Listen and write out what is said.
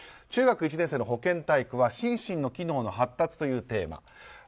中学１年生の保健体育は心身の機能の発達というテーマ。